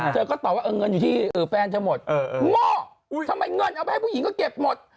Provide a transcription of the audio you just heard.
เธอก็ตอบว่าเงินอยู่ที่แฟนเธอหมดโง่ทำไมเงินเอาไปให้ผู้หญิงก็เก็บหมด